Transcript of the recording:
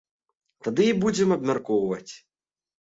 Тады і будзем абмяркоўваць!